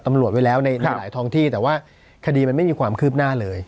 ไว้แล้วในหลายท้องที่แต่ว่าคดีมันไม่มีความคืบหน้าเลย